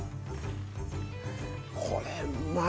これうまい！